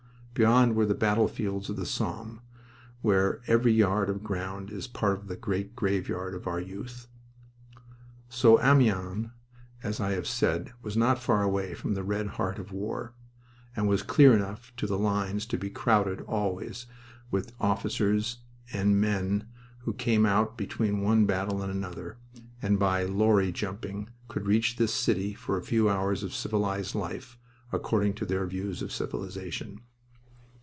Beyond were the battlefields of the Somme where every yard of ground is part of the great graveyard of our youth. So Amiens, as I have said, was not far away from the red heart of war, and was clear enough to the lines to be crowded always with officers and men who came out between one battle and another, and by "lorry jumping" could reach this city for a few hours of civilized life, according to their views of civilization.